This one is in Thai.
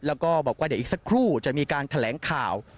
แล้วก็อีกสักครู่จะมีการแถลงข่าว